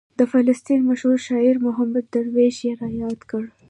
د فلسطین مشهور شاعر محمود درویش یې رایاد کړ.